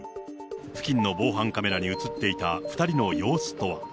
付近の防犯カメラに写っていた２人の様子とは。